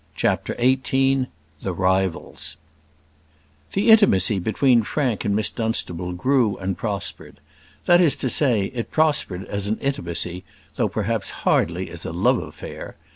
CHAPTER XVIII The Rivals The intimacy between Frank and Miss Dunstable grew and prospered. That is to say, it prospered as an intimacy, though perhaps hardly as a love affair.